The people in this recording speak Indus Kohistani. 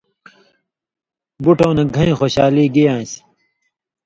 بُٹؤں نہ گَھیں خوشالی گی آن٘سیۡ